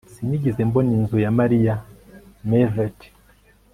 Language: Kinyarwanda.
Sinigeze mbona inzu ya Mariya mervert